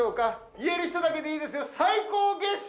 言える人だけでいいですよ最高月収！